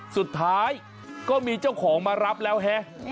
สุดท้ายก็มีเจ้าของมารับแล้วฮะ